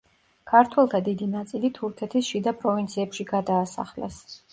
ქართველთა დიდი ნაწილი თურქეთის შიდა პროვინციებში გადაასახლეს.